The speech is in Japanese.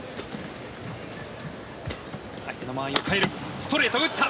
ストレート、打った！